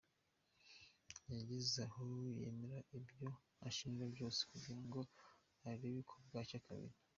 Yageze aho yemera ibyo ashinjwa byose kugira ngo arebe ko bwacya kabiri.”